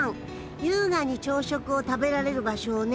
優雅に朝食を食べられる場所をね